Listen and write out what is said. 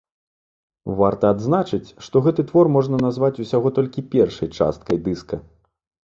Варта адзначыць, што гэты твор можна назваць усяго толькі першай часткай дыска.